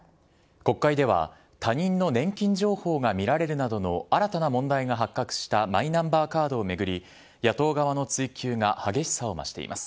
国会では他人の年金情報が見られるなどの新たな問題が発覚したマイナンバーカードを巡り、野党側の追及が激しさを増しています。